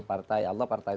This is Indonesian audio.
partai allah partai